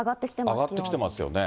上がってきてますよね。